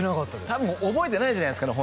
多分覚えてないんじゃないですかね